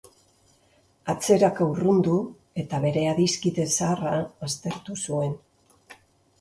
Atzeraka urrundu, eta bere adiskide zaharra aztertu zuen.